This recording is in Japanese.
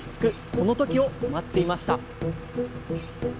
この時を待っていました。